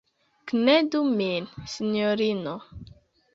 Knedu min, sinjorino!